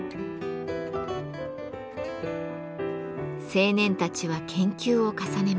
青年たちは研究を重ねました。